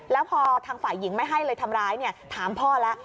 แล้วพอทางฝ่ายหญิงไม่ให้เลยทำร้ายเนี่ยถามพ่อแล้ว